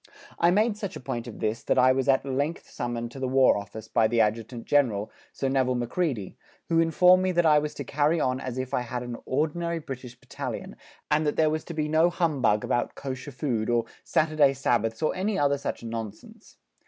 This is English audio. I made such a point of this that I was at length summoned to the War Office by the Adjutant General, Sir Nevil Macready, who informed me that I was to carry on as if I had an ordinary British battalion, and that there was to be no humbug about Kosher food, or Saturday Sabbaths, or any other such nonsense.